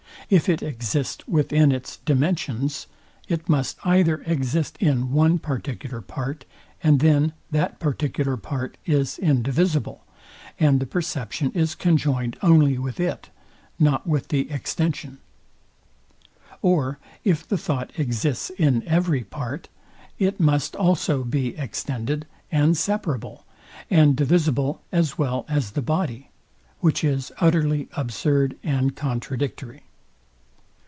If it exist within its dimensions, it must either exist in one particular part; and then that particular part is indivisible, and the perception is conjoined only with it, not with the extension: Or if the thought exists in every part, it must also be extended, and separable, and divisible, as well as the body; which is utterly absurd and contradictory.